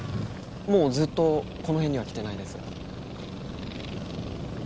もうずっとこの辺には来てないです。